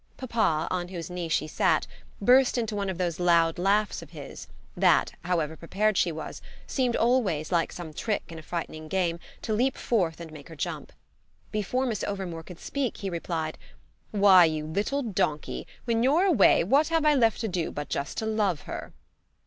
Papa, on whose knee she sat, burst into one of those loud laughs of his that, however prepared she was, seemed always, like some trick in a frightening game, to leap forth and make her jump. Before Miss Overmore could speak he replied: "Why, you little donkey, when you're away what have I left to do but just to love her?"